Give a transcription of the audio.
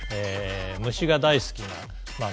虫が大好きなまあ